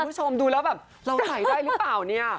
คุณผู้ชมดูแล้วแบบเราใส่ได้หรือเปล่าเนี่ย